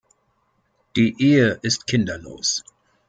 Die Ehe ist kinderlos.